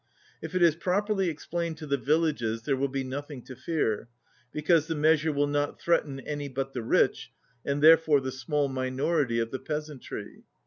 "If it is properly explained to the villages there will be nothing to fear, because the measure will not threaten any but the rich and therefore the small minority of the peasantry.